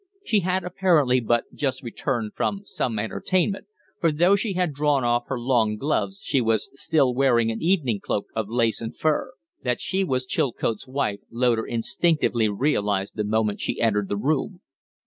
She had apparently but just returned from some entertainment, for, though she had drawn off her long gloves, she was still wearing an evening cloak of lace and fur. That she was Chilcote's wife Loder instinctively realized the moment she entered the room.